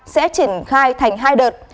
sẽ triển khai thành hai đợt